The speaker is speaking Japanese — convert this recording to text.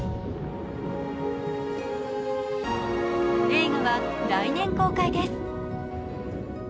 映画は来年公開です。